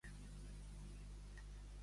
Quina mena de cos celeste és?